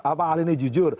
apa ahli ini jujur